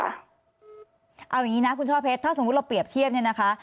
เอาอย่างนี้นะคุณช่อเพชรถ้าสมมุติเราเปรียบเทียบเนี่ยนะคะ